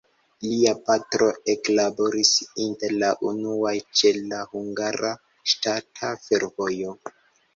Lia patro eklaboris inter la unuaj ĉe la Hungara Ŝtata Fervojo.